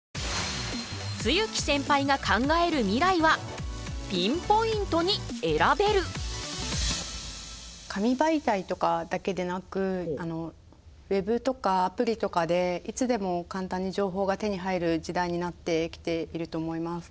露木センパイが考える未来は紙媒体とかだけでなくＷＥＢとかアプリとかでいつでも簡単に情報が手に入る時代になってきていると思います。